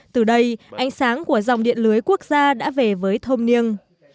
từ đây ánh sáng của dòng điện lưới quốc gia đã về với thôn niêng